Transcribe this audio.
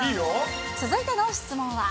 続いての質問は。